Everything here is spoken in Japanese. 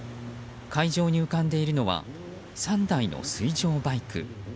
海上に浮かんでいるのは３台の水上バイク。